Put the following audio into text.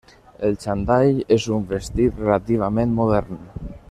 El xandall és un vestit relativament modern.